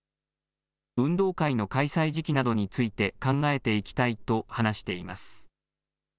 運動会の開催時期などについて考えていきたいと話しています。